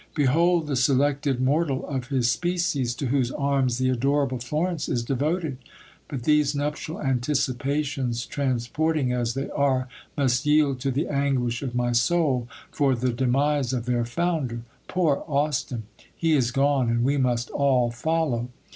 Behold the selected mor tal of his species, to whose arms the adorable Florence is devoted ! But these nuptial anticipations, transporting as they are, must yield to the anguish of my soul for the demise of their founder. Poor Austin ! He is gone, and we must all follow